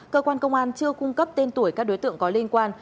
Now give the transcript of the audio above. cơ quan công an chưa cung cấp tên tuổi các đối tượng có liên quan